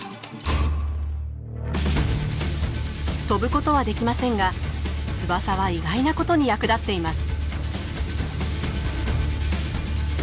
飛ぶことはできませんが翼は意外なことに役立っています。